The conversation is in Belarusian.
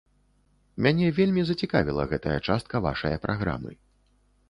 Мяне вельмі зацікавіла гэтая частка вашае праграмы.